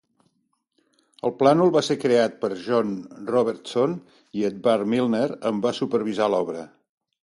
El plànol va ser creat per John Robertson i Edward Milner en va supervisar l'obra.